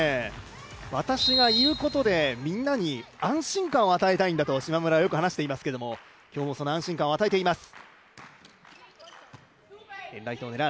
私がいることでみんなに安心感を与えたいんだと島村はよく話していますけれども、今日もその安心感を与えています。